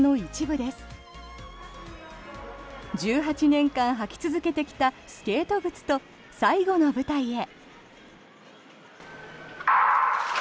１８年間履き続けてきたスケート靴と最後の舞台へ。